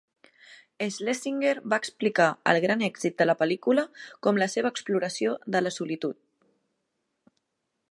Schlesinger va explicar el gran èxit de la pel·lícula com la seva exploració de la solitud.